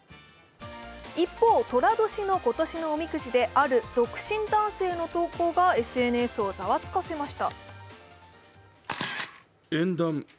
一方、とら年の今年のおみくじである独身男性の投稿がＳＮＳをざわつかせました。